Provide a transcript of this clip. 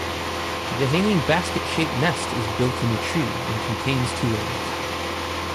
The hanging basket-shaped nest is built in a tree, and contains two eggs.